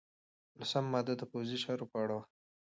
لسمه ماده د پوځي چارو په اړه وه.